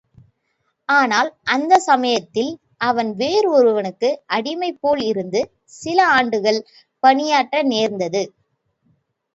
ஆனால், அந்தச் சமயத்தில் அவன் வேறு ஒருவனுக்கு அடிமை போலிருந்து சில ஆண்டுகள் பணியாற்ற நேர்ந்தது.